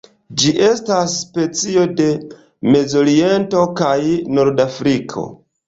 Ĝi estas specio de Mezoriento kaj Nordafriko.